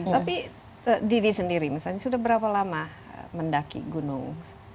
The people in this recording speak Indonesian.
tapi didi sendiri misalnya sudah berapa lama mendaki gunung